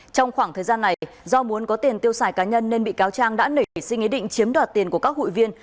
trong khoảng thời gian này do muốn có tiền tiêu xài cá nhân nên bị cáo trang đã nể sinh ý định chiếm đoạt tiền của các hụi viên